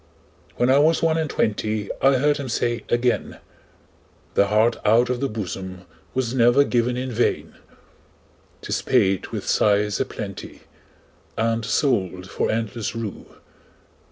When I was one and twentyI heard him say again,'The heart out of the bosomWas never given in vain;'Tis paid with sighs a plentyAnd sold for endless rue.